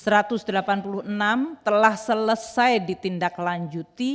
rp satu ratus delapan puluh enam telah selesai ditindaklahkan